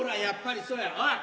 やっぱりそうや。